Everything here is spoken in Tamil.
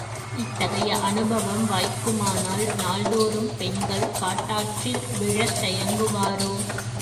இத்தகைய அனுபவம், வாய்க்குமானால், நாள்தோறும் பெண்கள் காட்டாற்றில் விழத்தயங்குவாரோ!